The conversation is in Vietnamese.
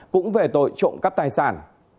cũng về tội trộm cắt tài sản